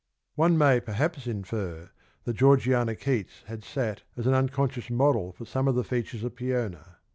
"^ One may perhaps infer that Georgiana Keats had sat as an unconscious model for some of the features of Peona.